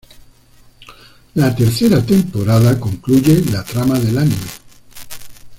La tercera temporada concluye la trama del anime.